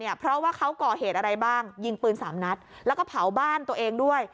เพราะว่าเขาก่อเหตุอะไรบ้างยิงปืนสามนัดแล้วก็เผาบ้านตัวเองด้วย